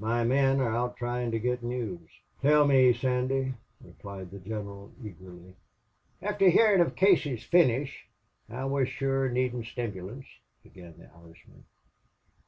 My men are out trying to get news. Tell me, Sandy," replied the general, eagerly. "Afther hearin' of Casey's finish I was shure needin' stimulants," began the Irishman.